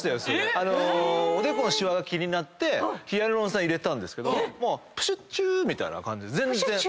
おでこのしわが気になってヒアルロン酸入れたんですけどもうプシュッチューッみたいな感じで全然。